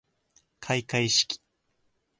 かいかいしき